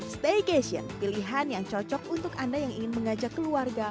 staycation pilihan yang cocok untuk anda yang ingin mengajak keluarga